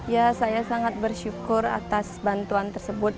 ya saya sangat bersyukur atas bantuan tersebut